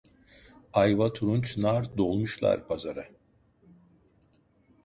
Ayva turunç nar dolmuşlar pazara.